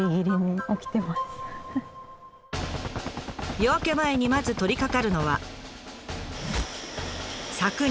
夜明け前にまず取りかかるのは「搾乳」